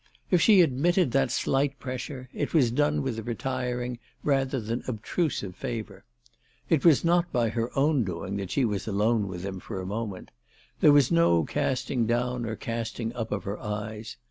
If she admitted that slight pressure, it was done with a retiring rather than obtrusive favour. It was not by her own doing that she was alone with him for a mo ment. There was no casting down or casting up of her eyes.